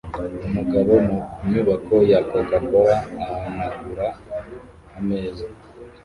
umugabo mu nyubako ya coca cola ahanagura ameza